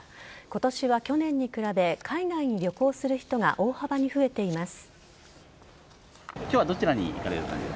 今年は去年に比べ海外に旅行する人が大幅に増えています。